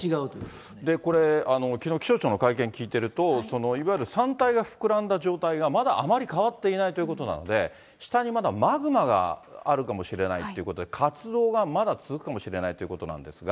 これ、きのう、気象庁の会見聞いてると、いわゆる山体が膨らんだ状態がまだあまり変わっていないということなので、下にまだマグマがあるかもしれないっていうことで、活動がまだ続くかもしれないということなんですが。